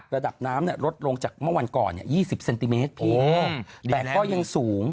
ระดับน้ำลดลงจากเมื่อวันก่อน๒๐เซนติเมตรเพียง